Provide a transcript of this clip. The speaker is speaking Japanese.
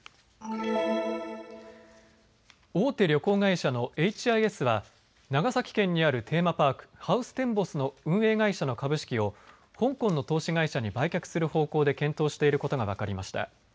大手旅行会社のエイチ・アイ・エスは長崎県にあるテーマパーク、ハウステンボスの運営会社の株式を香港の投資会社に売却する方向で検討していることが分かりました。